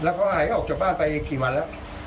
เขาหายออกจากบ้านไปกี่วันแล้ว